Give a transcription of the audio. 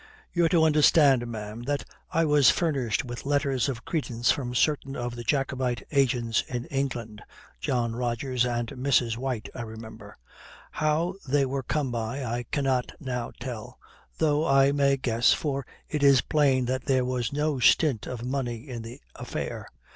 "You're to understand, ma'am, that I was furnished with letters of credence from certain of the Jacobite agents in England John Rogers and Mrs. White, I remember. How they were come by, I cannot now tell, though I may guess, for it is plain that there was no stint of money in the affair.